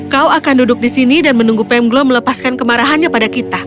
kau akan duduk di sini dan menunggu pemglo melepaskan kemarahannya pada kita